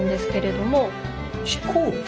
飛行機？